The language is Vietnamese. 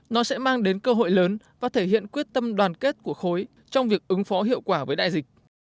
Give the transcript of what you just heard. nó sẽ mang đến cơ hội lớn và thể hiện quyết tâm đoàn kết của khối trong việc ứng phó hiệu quả với đại dịch